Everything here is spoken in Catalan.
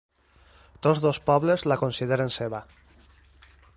Tots dos pobles la consideren seva.